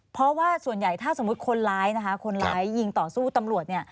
เพราะว่าส่วนใหญ่ถ้าสมมุติคนร้ายนะคะคนร้ายยิงต่อสู้ตำรวจ